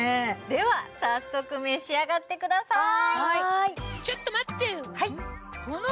では早速召し上がってください